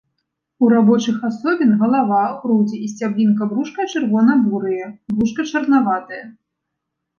У рабочых асобін галава, грудзі і сцяблінка брушка чырвона-бурыя, брушка чарнаватае.